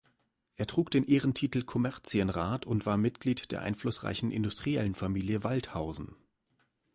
Er trug den Ehrentitel Kommerzienrat und war Mitglied der einflussreichen Industriellenfamilie Waldthausen.